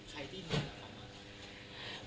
ใครที่มีออกมา